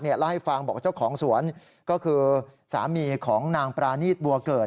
เล่าให้ฟังบอกว่าเจ้าของสวนก็คือสามีของนางปรานีตบัวเกิด